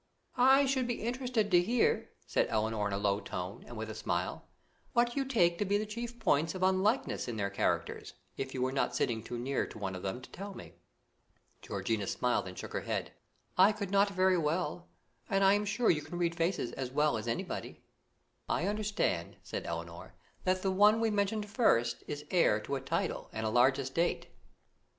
"I should be interested to hear," said Elinor in a low tone, and with a smile, "what you take to be the chief points of unlikeness in their characters, if you were not sitting too near to one of them to tell me." Georgiana smiled and shook her head. "I could not very well, and I am sure you can read faces as well as anybody." "I understand," said Elinor, "that the one we mentioned first is heir to a title and a large estate."